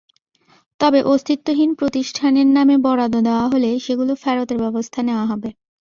তবে অস্তিত্বহীন প্রতিষ্ঠানের নামে বরাদ্দ দেওয়া হলে সেগুলো ফেরতের ব্যবস্থা নেওয়া হবে।